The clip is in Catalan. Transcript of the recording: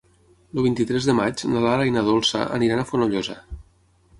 El vint-i-tres de maig na Lara i na Dolça aniran a Fonollosa.